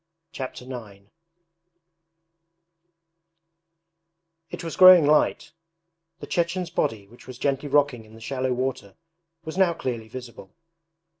Chapter IX It was growing light. The Chechen's body which was gently rocking in the shallow water was now clearly visible.